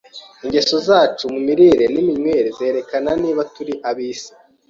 Ingeso zacu mu mirire n’iminywere zerekana niba turi ab’isi